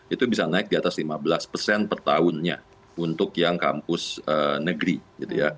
itu bisa naik di atas lima belas per tahunnya untuk yang kampus negeri